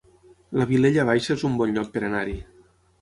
La Vilella Baixa es un bon lloc per anar-hi